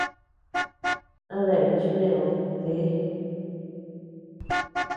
A dean chi neʼed, té.